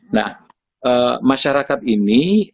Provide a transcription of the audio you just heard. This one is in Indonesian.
nah masyarakat ini